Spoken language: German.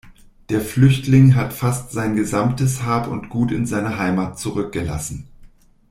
Der Flüchtling hat fast sein gesamtes Hab und Gut in seiner Heimat zurückgelassen.